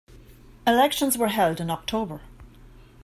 Elections were held in October.